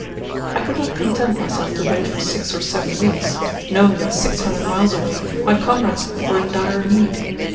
I could not content myself to wait for six or seven weeks, knowing that six hundred miles away my comrades were in dire need.